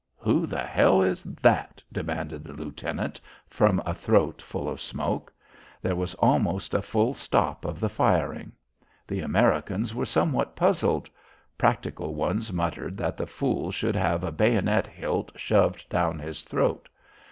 "Who the hell is that?" demanded the lieutenant from a throat full of smoke. There was almost a full stop of the firing. The Americans were somewhat puzzled. Practical ones muttered that the fool should have a bayonet hilt shoved down his throat.